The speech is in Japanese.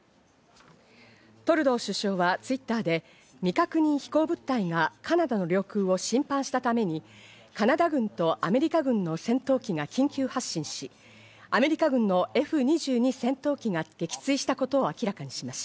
トルドー首相はＴｗｉｔｔｅｒで未確認飛行物体がカナダの領空を侵犯したためにカナダ軍とアメリカ軍の戦闘機が緊急発進し、アメリカ軍のＦ２２戦闘機が撃墜したことを明らかにしました。